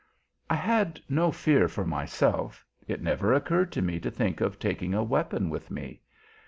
"I had no fear for myself; it never occurred to me to think of taking a weapon with me.